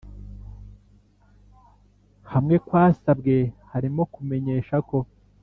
hamwe kwasabwe harimo kumenyesha ko